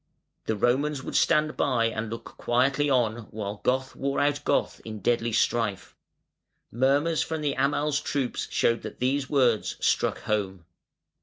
The Romans would stand by and look quietly on while Goth wore out Goth in deadly strife". Murmurs from the Amal's troops showed that these words struck home.